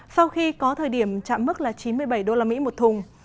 sau khi có thời điểm chạm mức là chín mươi bảy usd một thùng